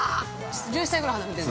１１歳ぐらい離れてるの？